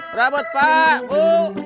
perabot pak bu